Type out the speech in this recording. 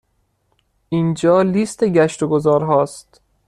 اینجا لیست گشت و گذار ها است.